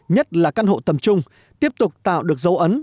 nhất là căn hộ tầm trung tiếp tục tạo được dấu ấn